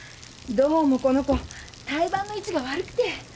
どうもこの子胎盤の位置が悪くて。